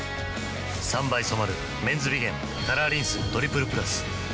３倍染まる「メンズビゲンカラーリンストリプルプラス」